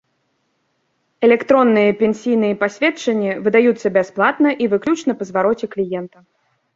Электронныя пенсійныя пасведчанні выдаюцца бясплатна і выключна па звароце кліента.